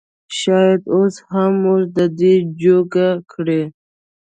شايد اوس هم مونږ د دې جوګه کړي